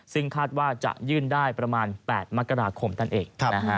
ซึ่งคาดว่าจะยื่นได้ประมาณ๘มกราคมนั่นเอง